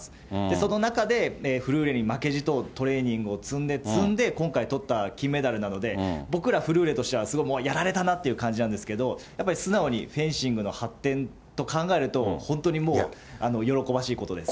その中でフルーレに負けじとトレーニングを積んで、積んで、今回、とった金メダルなので、僕ら、フルーレとしてはすごい、もうやられたなという感じなんですけど、やっぱり素直にフェンシングの発展と考えると、本当にもう喜ばしいことです。